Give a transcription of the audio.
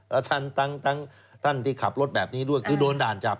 แล้วท่านทั้งท่านที่ขับรถแบบนี้ด้วยคือโดนด่านจับ